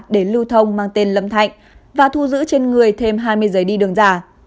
để lưu thông mang tên lâm thạnh và thu giữ trên người thêm hai mươi giấy đi đường giả